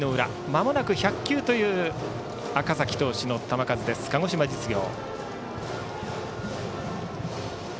まもなく１００球という赤嵜投手の球数です、鹿児島実業。